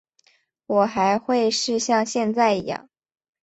我还会是像现在一样